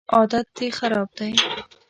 عادت دي خراب دی